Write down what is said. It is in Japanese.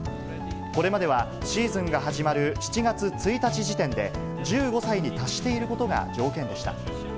これまではシーズンが始まる７月１日時点で、１５歳に達していることが条件でした。